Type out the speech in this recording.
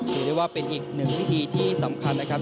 ถือได้ว่าเป็นอีกหนึ่งพิธีที่สำคัญนะครับ